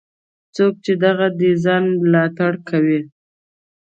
څوک چې دغه ډیزاین ملاتړ کوي.